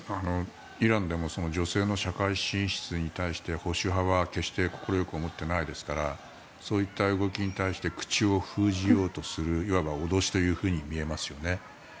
イランでも女性の社会進出に対して保守派は決して快く思っていないですからそういった動きに対して口を封じようとするいわば脅しというふうに見えますよね。